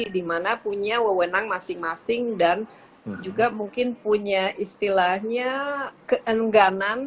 dimana punya wewenang masing masing dan juga mungkin punya istilahnya keengganan